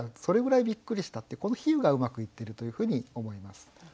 それぐらいびっくりしたってこの比喩がうまくいってるというふうに思います。